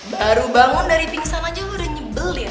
baru bangun dari pingsan aja udah nyebelin